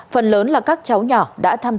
phần lớn là các cháu nhỏ đã tham gia